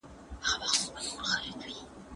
منځلارې لار تر سخت دریځۍ ډېره اغېزناکه ده.